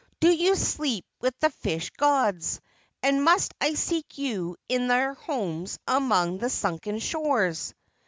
Do you sleep with the fish gods, and must I seek you in their homes among the sunken shores?"